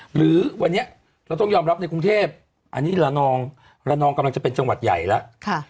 หรือวันนี้เราต้องยอมรับในกรุงเทพอันนี้ระนองกำลังจะเป็นจังหวัดใหญ่แล้ว